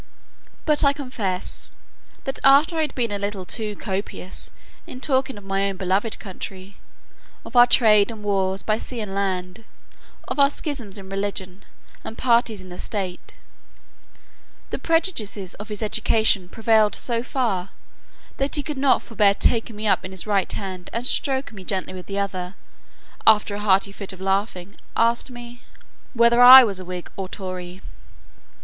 But I confess, that, after I had been a little too copious in talking of my own beloved country, of our trade and wars by sea and land, of our schisms in religion, and parties in the state; the prejudices of his education prevailed so far, that he could not forbear taking me up in his right hand, and stroking me gently with the other, after a hearty fit of laughing, asked me, "whether I was a whig or tory?"